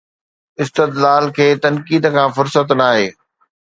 استدلال کي تنقيد کان فرصت ناهي